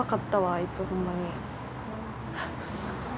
あいつホンマに。